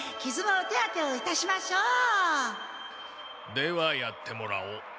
ではやってもらおう。